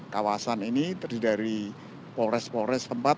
kawasan ini terdiri dari polres polres tempat